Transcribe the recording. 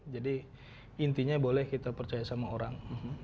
jadi intinya boleh kita percaya sama orang